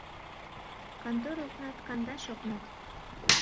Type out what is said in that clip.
Кантор окнат - кандаш окнат